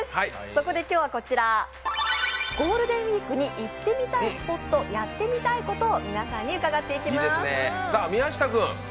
そこで今日はこちら、ゴールデンウィークに行ってみたいスポット、やってみたいことを皆さんに伺っていきます。